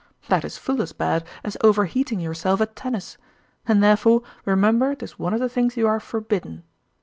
That is full as bad as overheating yourself at tennis, and therefore remember 'tis one of the things you are forbidden.